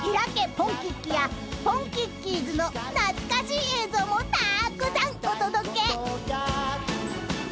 ポンキッキ』や『ポンキッキーズ』の懐かしい映像もたくさんお届け］